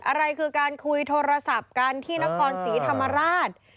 อะไรคือการคุยโทรศัพท์กันที่นครศรีธรรมราช